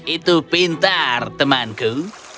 hahaha itu pintar temanku